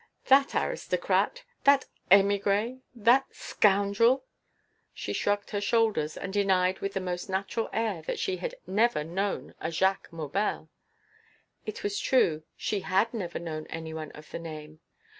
"That aristocrat! that émigré! that scoundrel!" She shrugged her shoulders, and denied with the most natural air that she had never known a Jacques Maubel. It was true; she had never known anyone of the name.